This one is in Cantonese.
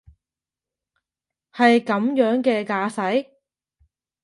係噉樣嘅架勢？